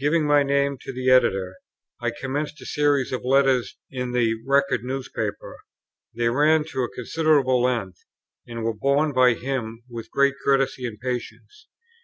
Giving my name to the Editor, I commenced a series of letters in the Record Newspaper: they ran to a considerable length; and were borne by him with great courtesy and patience.